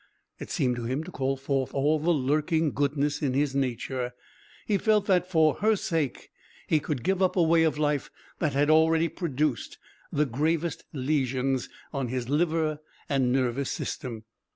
It seemed to him to call forth all the lurking goodness in his nature. He felt that for her sake he could give up a way of life that had already produced the gravest lesions on his liver and nervous system.